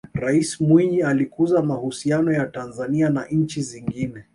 raisi mwinyi alikuza mahusiano ya tanzania na nchi zingine